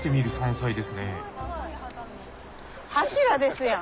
柱ですやん。